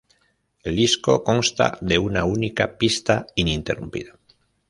El disco consta de una única pista ininterrumpida.